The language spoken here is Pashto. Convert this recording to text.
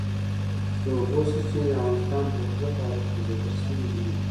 د اوبو سرچینې د افغانستان په اوږده تاریخ کې ذکر شوی دی.